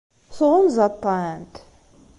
Tɣunzaḍ-tent?